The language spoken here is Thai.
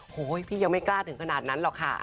พี่ยังไม่กล้าถึงขนาดนั้นหรอกค่ะ